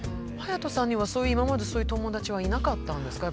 隼人さんには今までそういう友達はいなかったんですか？